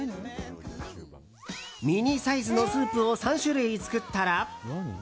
ミニサイズのスープを３種類作ったら。